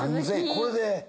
これで？